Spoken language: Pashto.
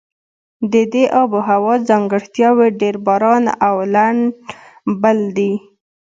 د دې آب هوا ځانګړتیاوې ډېر باران او لنده بل دي.